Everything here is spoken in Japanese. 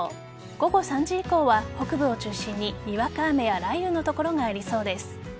午後３時以降は北部を中心ににわか雨や雷雨の所がありそうです。